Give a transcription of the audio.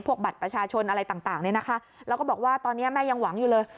บัตรประชาชนอะไรต่างเนี่ยนะคะแล้วก็บอกว่าตอนนี้แม่ยังหวังอยู่เลย